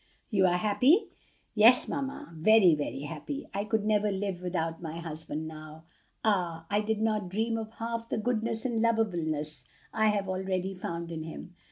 "You are happy?" "Yes, mamma, very, very happy. I could never live without my husband now. Ah, I did not dream of half the goodness and lovableness I have already found in him.